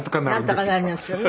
なんとかなりますよね。